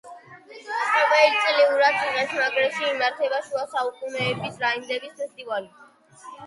ყოველწლიურად ციხესიმაგრეში იმართება შუა საუკუნეების რაინდების ფესტივალი.